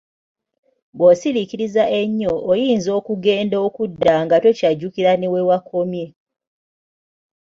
Bw'osiriikiriza ennyo oyinza okugenda okudda nga tokyajjukira ne wewakomye!